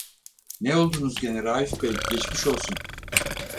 Ne oldunuz gene Raif bey, geçmiş olsun!